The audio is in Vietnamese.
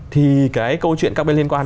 thì cái câu chuyện các bên liên quan